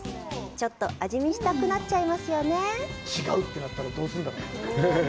ちょっと味見したくなっちゃいますよね。